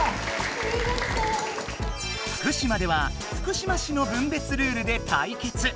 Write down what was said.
福島では福島市の分別ルールで対決！